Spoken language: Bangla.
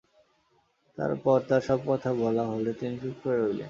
তারপর তাঁর সব কথা বলা হলে তিনি চুপ করে রইলেন।